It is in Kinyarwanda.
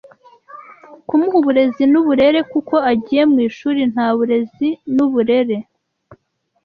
kumuha uburezi n’uburere kuko agiye mu ishuri nta burezi n’uburere